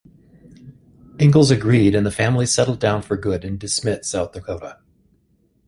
Ingalls agreed, and the family settled down for good in De Smet, South Dakota.